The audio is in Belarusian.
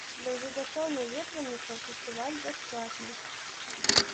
Для гледачоў-наведвальнікаў фестываль бясплатны.